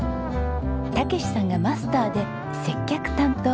健さんがマスターで接客担当。